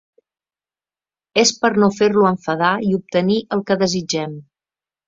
És per no fer-lo enfadar i obtenir el que desitgem.